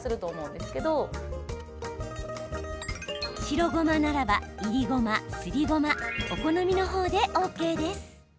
白ごまならば、いりごますりごま、お好みの方でＯＫです。